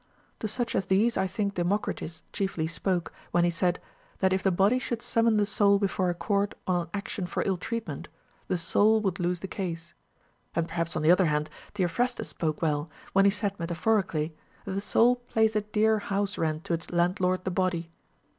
To such as these I think Democritus chiefly spoke, when he said, that if the body should summon the soul before a court on an action for ill treatment, the soul would lose the 276 RULES FOR THE TRESERVATION OF HEALTH. case. And perhaps on the other hand Theophrastus spoke Avell, when he said metaphorically, that the soul pays a dear house rent to its landlord the body.